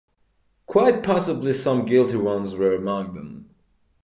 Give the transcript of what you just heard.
Quite possibly some guilty ones were among them.